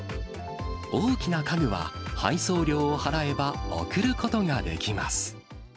大きな家具は配送料を払えば送ることができます。